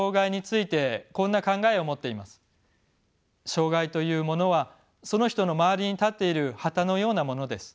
障がいというものはその人の周りに立っている旗のようなものです。